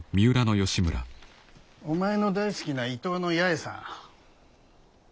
お前の大好きな伊東の八重さん。